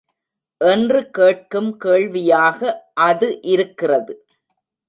என்று கேட்கும் கேள்வியாக அது இருக்கிறது.